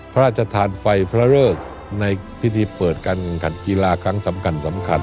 พระราชทานไฟพระเริกในพิธีเปิดการแข่งขันกีฬาครั้งสำคัญสำคัญ